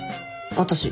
私。